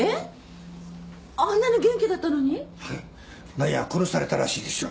何や殺されたらしいですよ。